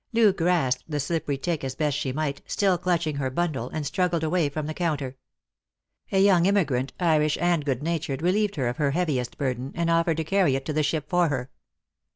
Loo grasped the slippery tick as best she might, still clutching her bundle, and struggled away from the counter. A young emigrant, Irish and good natured, relieved her of her heaviest burden, and offered to carry it to the ship for her.